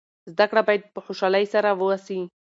زده کړه باید په خوشحالۍ سره وسي.